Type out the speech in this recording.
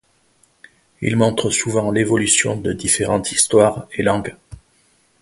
Ils montrent souvent l'évolution de différentes histoires et langues.